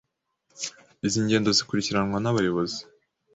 Izi ngendo zikurikiranwa nabayobozi